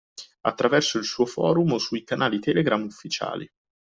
Attraverso il suo forum o sui canali Telegram ufficiali.